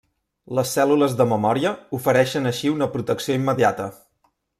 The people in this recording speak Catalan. Les cèl·lules de memòria ofereixen així una protecció immediata.